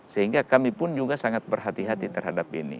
sehingga kami pun juga sangat berhati hati terhadap ini